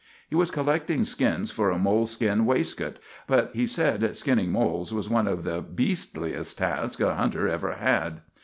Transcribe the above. He was collecting skins for a mole skin waistcoat, but he said skinning moles was one of the beastliest tasks a hunter ever had.